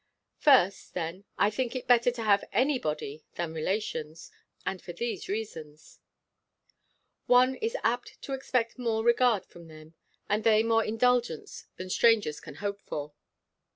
First, then, I think it better to have any body than relations; and for these reasons: One is apt to expect more regard from them, and they more indulgence than strangers can hope for.